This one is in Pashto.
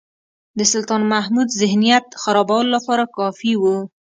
د سلطان محمود ذهنیت خرابولو لپاره کافي وو.